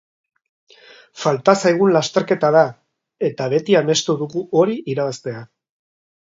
Falta zaigun lasterketa da, eta beti amestu dugu hori irabaztea.